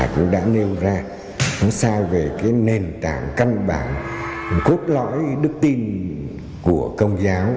cũng đã nêu ra nó sao về cái nền tảng căn bản cốt lõi đức tin của công giáo